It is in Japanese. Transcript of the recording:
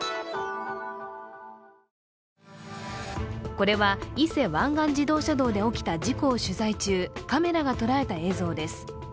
これは、伊勢湾岸自動車道で起きた事故を取材中、カメラが捉えた映像です。